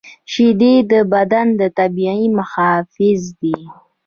شیدې د بدن طبیعي محافظ دي